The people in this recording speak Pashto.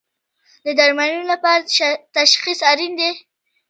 د درملنې لپاره تشخیص اړین دی